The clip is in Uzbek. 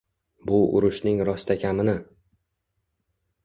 Bu urushning rostakamini.